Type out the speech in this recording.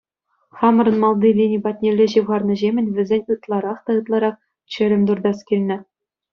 Хамӑрӑн малти лини патнелле ҫывхарнӑҫемӗн вӗсен ытларах та ытларах чӗлӗм туртас килнӗ.